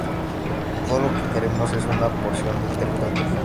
Todo lo que queremos es una porción del territorio.